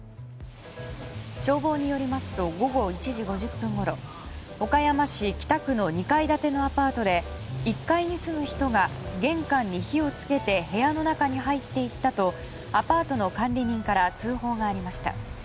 消防によりますと午後１時５０分ごろ岡山市北区の２階建てのアパートで１階に住む人が玄関に火を付けて部屋の中に入っていったとアパートの管理人から通報がありました。